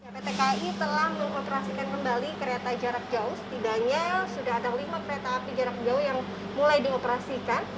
pt kai telah mengoperasikan kembali kereta jarak jauh setidaknya sudah ada lima kereta api jarak jauh yang mulai dioperasikan